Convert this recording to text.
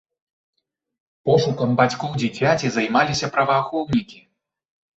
Пошукам бацькоў дзіцяці займаліся праваахоўнікі.